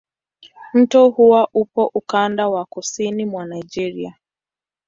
Mto huo upo ukanda wa kusini mwa Nigeria.